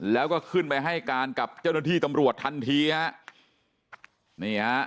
แล้วก็ขึ้นไปให้การกับเจ้าหน้าที่ตำรวจทันทีฮะนี่ฮะ